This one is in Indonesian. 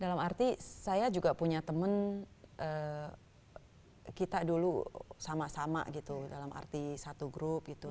dalam arti saya juga punya teman kita dulu sama sama gitu dalam arti satu grup gitu